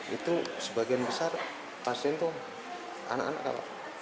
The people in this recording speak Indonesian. itu sebagian besar pasien itu anak anak kalau